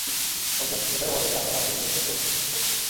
লোকজন এটাও বলে যে, আমি মার্টিন মেক্রেকেও খুন করছি।